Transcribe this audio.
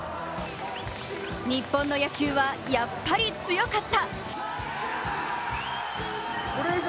日本の野球はやっぱり強かった。